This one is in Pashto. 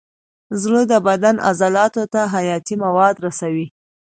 زړه د بدن عضلاتو ته حیاتي مواد رسوي.